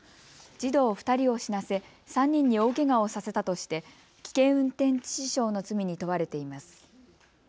児童２人を死なせ３人に大けがをさせたとして危険運転致死傷の罪に問われています。